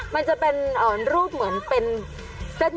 มันจะเป็นรูปเหมือนเป็นเส้น